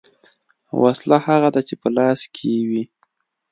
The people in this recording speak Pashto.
ـ وسله هغه ده چې په لاس کې وي .